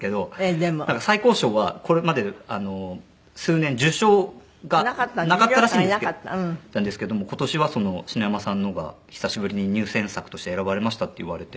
最高賞はこれまで数年受賞がなかったらしいんですけども「今年は篠山さんのが久しぶりに入選作として選ばれました」って言われて。